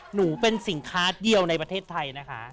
หนูเป็นสินค้าเดียวในประเทศไทยนะคะ